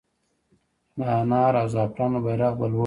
د انار او زعفرانو بیرغ به لوړ وي؟